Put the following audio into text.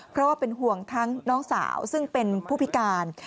เพราะว่าเป็นห่วงทั้งน้องสาวซึ่งเป็นผู้พิการ